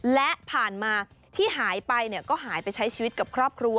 และผ่านมาที่หายไปก็หายไปใช้ชีวิตกับครอบครัว